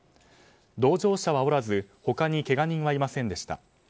同乗者はおらず他にけが人はいませんでした。